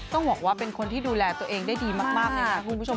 ต้องบอกว่าเป็นคนที่ดูแลตัวเองได้ดีมากเลยนะคุณผู้ชม